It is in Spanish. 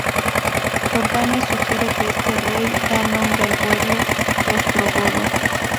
Jordanes sugiere que este rey da nombre al pueblo ostrogodo.